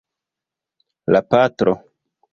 La patro.